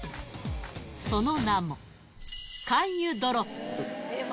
その名も、肝油ドロップ。